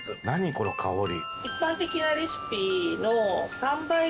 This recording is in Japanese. この香り。